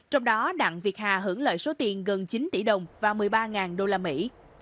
trong đó đặng việt hà hưởng lợi số tiền gần chín tỷ đồng và một mươi ba đô la mỹ